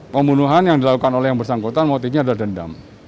pembunuhan yang dilakukan oleh yang bersangkutan motifnya adalah dendam